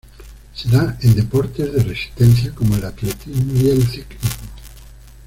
Se da en deportes de resistencia como el atletismo y el ciclismo.